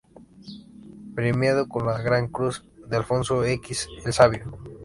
Premiado con la Gran Cruz de Alfonso X el Sabio.